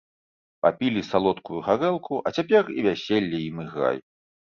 Папілі салодкую гарэлку, а цяпер і вяселле ім іграй.